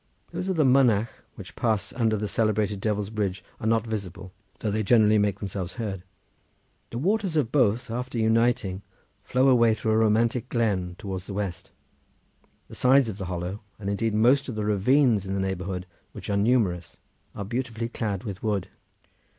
Those of the Mynach which pass under the celebrated Devil's Bridge are not visible, though they generally make themselves heard. The waters of both, after uniting, flow away through a romantic glen towards the west. The sides of the hollow, and indeed of most of the ravines in the neighbourhood, which are numerous, are beautifully clad with wood.